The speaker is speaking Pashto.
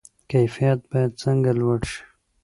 کیفیت باید څنګه لوړ شي؟